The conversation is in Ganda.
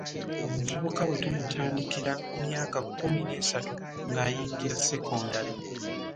Omuvubuka bwe tumutandikira ku myaka kkumi n'esatu ng’ayingira sekondale.